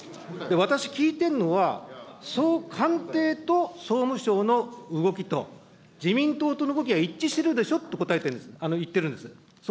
私聞いてるのは、官邸と総務省の動きと、自民党との動きが一致してるでしょと言ってるんです。